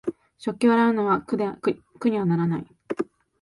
食器を洗うのは苦にならない